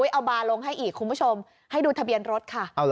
เอาบาร์ลงให้อีกคุณผู้ชมให้ดูทะเบียนรถค่ะ